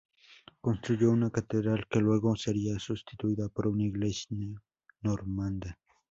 Construyó una catedral que luego sería sustituida por una iglesia normanda.